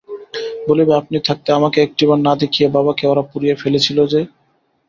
বলিবে, আপনি থাকতে আমাকে একটিবার না দেখিয়ে বাবাকে ওরা পুড়িয়ে ফেলেছিল গো!